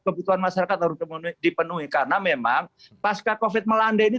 kebutuhan masyarakat harus dipenuhi karena memang pasca covid melanda ini